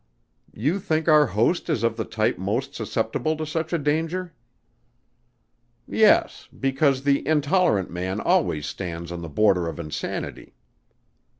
"You think our host is of the type most susceptible to such a danger?" "Yes, because the intolerant man always stands on the border of insanity."